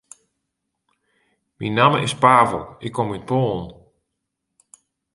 Myn namme is Pavel, ik kom út Poalen.